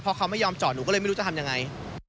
เพราะเขาไม่ยอมจอดหนูก็เลยไม่รู้จะทำยังไง